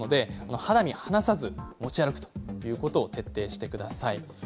肌身離さず持ち歩くということを徹底してください。